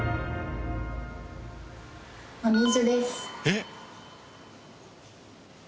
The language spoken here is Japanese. えっ？